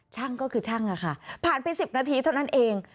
ช่างก็คือช่างค่ะผ่านไป๑๐นาทีเท่านั้นเอง